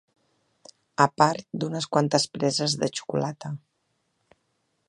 ...a part d'unes quantes preses de xocolata